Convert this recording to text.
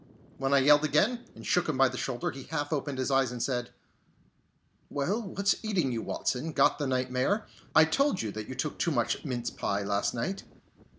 When I yelled again, and shook him by the shoulder, he half opened his eyes and said: "Well, what's eating you, Watson? Got the nightmare? I told you that you took too much mince pie last night!"